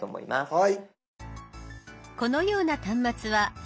はい。